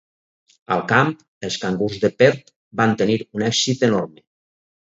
Al camp, els Cangurs de Perth van tenir un èxit enorme.